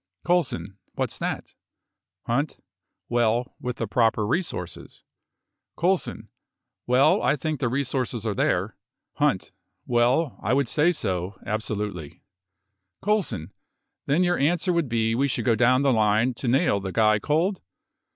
C. What's that ? H. Well, with the proper resources. C. Well, I think the resources are there. H. Well, I would say so, absolutely. C. Then your answer would be we should go down the line to nail the guy cold